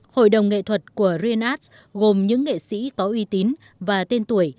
hội đồng nghệ thuật của rien arts gồm những nghệ sĩ có uy tín và tên tuổi